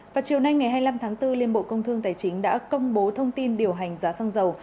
vào chiều nay ngày hai mươi năm tháng bốn liên bộ công thương tài chính đã công bố thông tin điều hành giá xăng dầu